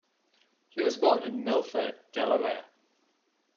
He was born in Milford, Delaware.